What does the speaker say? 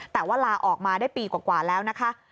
แต่ว่าลาออกมาได้ปีกว่าแล้วนะคะ